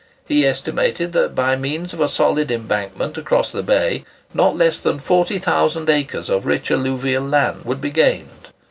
He estimated that by means of a solid embankment across the bay, not less than 40,000 acres of rich alluvial land would be gained.